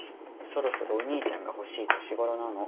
そろそろお兄ちゃんが欲しい年頃なの。